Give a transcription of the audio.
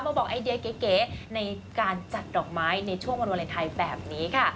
มาบอกไอเดียเก๋ในการจัดดอกไม้ในช่วงวันวาเลนไทยแบบนี้ค่ะ